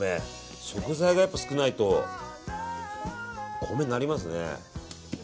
食材がやっぱり少ないと米になりますね。